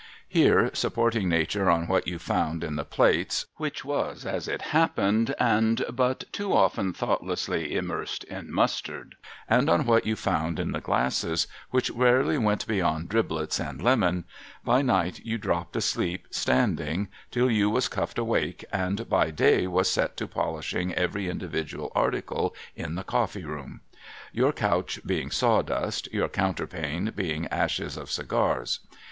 Here, supporting nature on what you found in the plates (which was as it happened, and but too often thoughtlessly, immersed in mustard), and on what you found in the glasses (which rarely went beyond driblets and lemon), by night you dropped asleep standing, till you was cuffed awake, and by day was set to polishing every individual article in the coffee room. Your couch being sawdust ; your counterpane being ashes of cigars.